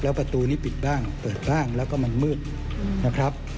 ประตูนี้ปิดบ้างเปิดบ้างแล้วก็มันมืดนะครับ